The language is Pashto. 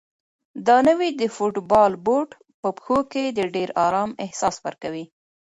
دا نوی د فوټبال بوټ په پښو کې د ډېر ارام احساس ورکوي.